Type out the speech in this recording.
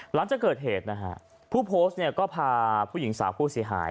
หลังจากเกิดเหตุนะฮะผู้โพสต์เนี่ยก็พาผู้หญิงสาวผู้เสียหาย